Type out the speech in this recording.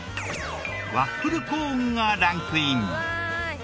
ワッフルコーンがランクイン。